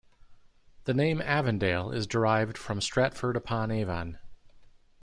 The name Avondale is derived from Stratford-upon-Avon.